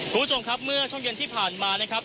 คุณผู้ชมครับเมื่อช่วงเย็นที่ผ่านมานะครับ